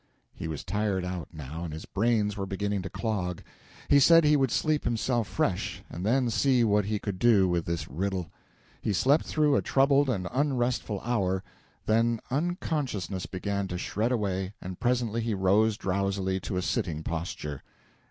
He was tired out, now, and his brains were beginning to clog. He said he would sleep himself fresh, and then see what he could do with this riddle. He slept through a troubled and unrestful hour, then unconsciousness began to shred away, and presently he rose drowsily to a sitting posture.